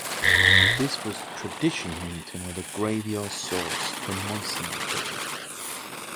This was traditionally eaten with a gravy or sauce, to moisten the pudding.